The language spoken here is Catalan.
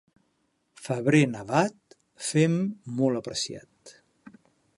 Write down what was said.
Febrer nevat, fem molt apreciat.